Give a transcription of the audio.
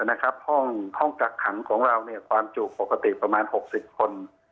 ในห้องกักขังความจูบปกติประมาณ๖๐คน